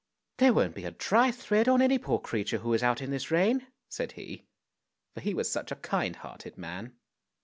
" There won't be a dry thread on any poor creature who is out in this rain," said he, for he was such a kind hearted man.